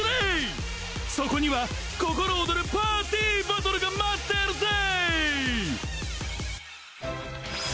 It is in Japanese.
そこにはココロオドルパーティーバトルが待ってるぜー！